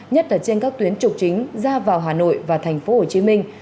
nhất là trên các tuyến trục chính ra vào hà nội và thành phố hồ chí minh